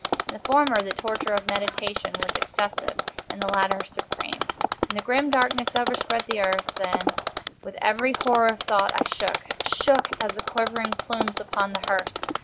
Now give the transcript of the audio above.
In the former, the torture of meditation was excessive—in the latter, supreme. When the grim Darkness overspread the Earth, then, with every horror of thought, I shook—shook as the quivering plumes upon the hearse.